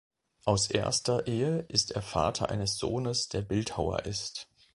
Aus erster Ehe ist er Vater eines Sohnes, der Bildhauer ist.